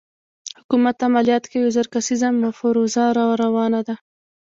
حکومت عملیات کوي او زر کسیزه مفروزه راروانه ده.